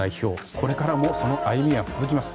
これからもその歩みは続きます。